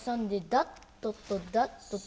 ダットトダットト。